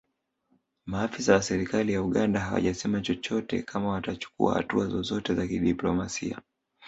Maafisa wa serikali ya Uganda hawajasema chochote kama watachukua hatua zozote za kidiplomasia